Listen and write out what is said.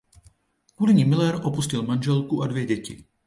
Kvůli ní Miller opustil manželku a dvě děti.